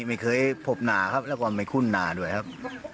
ไม่เคยพบหนาครับแล้วก็ไม่คุ้นหนาด้วยครับ